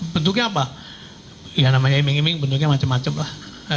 bentuknya apa ya namanya iming iming bentuknya macam macam lah